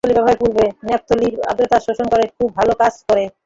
Naphthalene ব্যবহার কর্পূর বা ন্যাপথলিন আর্দ্রতা শোষণ করতে খুব ভালো কাজ করে।